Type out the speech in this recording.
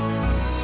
kamu juga sama